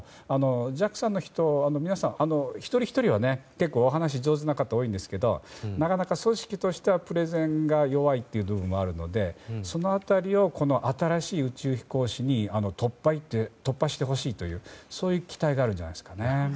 ＪＡＸＡの人一人ひとりはお話が上手な方が多いんですがなかなか、組織としてはプレゼンが弱い部分もあるのでその辺りを新しい宇宙飛行士に突破してほしいというそういう期待があるんじゃないですかね。